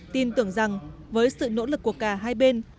tin tưởng rằng với sự nỗ lực của cả hai bên